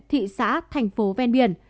thị xã thành phố ven biển